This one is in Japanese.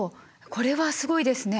これはすごいですね。